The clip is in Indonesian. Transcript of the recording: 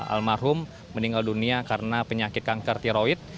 almarhum meninggal dunia karena penyakit kanker tiroid